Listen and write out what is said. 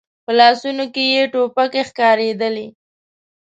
په لاسونو کې يې ټوپکې ښکارېدلې.